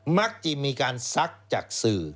มักจะมีการซักจากสื่อ